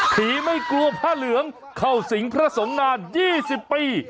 ไม่กลัวผ้าเหลืองเข้าสิงพระสงฆ์นาน๒๐ปี